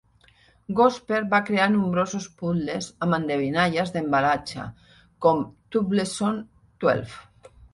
Gosper va crear nombrosos puzles amb endevinalles d'embalatge com Twubblesome Twelve.